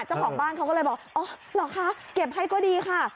เจ้าของบ้านเขาก็เลยบอกอ๋อเหรอคะเก็บให้ก็ดีค่ะ